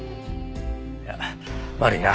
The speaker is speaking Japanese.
いや悪いな。